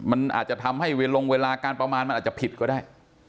มันอาจจะทำให้เวลาลงเวลาการประมาณมันอาจจะผิดก็ได้